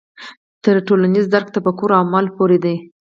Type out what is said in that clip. تر ټولنیز درک تفکر او عمل پورې دی.